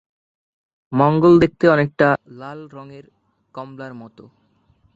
মঙ্গল দেখতে অনেকটা লাল রঙের কমলার মতো।